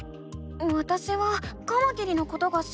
わたしはカマキリのことが知りたいの。